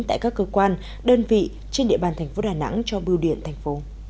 tại các cơ quan đơn vị trên địa bàn tp đà nẵng cho biêu điện tp